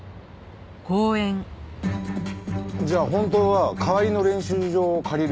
じゃあ本当は代わりの練習場を借りる予定だったの？